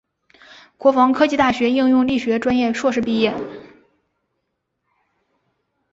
国防科技大学应用力学专业硕士毕业。